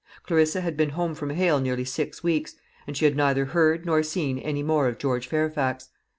Clarissa had been home from Hale nearly six weeks, and she had neither heard nor seen any more of George Fairfax.